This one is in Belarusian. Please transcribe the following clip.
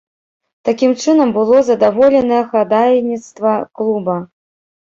Такім чынам было задаволенае хадайніцтва клуба.